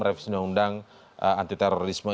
revisi undang undang anti terorisme